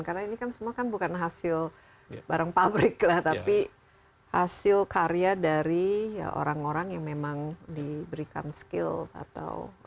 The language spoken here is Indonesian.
karena ini kan semua bukan hasil barang pabrik lah tapi hasil karya dari orang orang yang memang diberikan skill atau